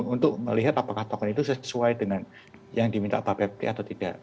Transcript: untuk melihat apakah token itu sesuai dengan yang diminta bapepti atau tidak